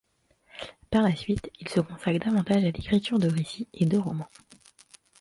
Par la suite, il se consacre davantage à l’écriture de récits et de romans.